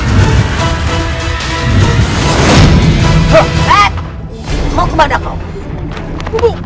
mau ke badak kau